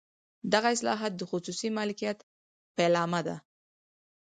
دغه اصلاحات د خصوصي مالکیت پیلامه ده.